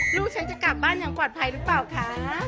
ลูกฉันจะกลับบ้านอย่างปลอดภัยหรือเปล่าคะ